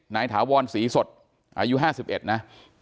ถาวรศรีสดอายุ๕๑นะ